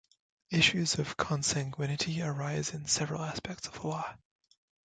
Issues of consanguinity arise in several aspects of the law.